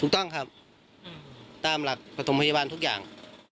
ถูกต้องครับตามหลักปฐมพยาบาลทุกอย่าง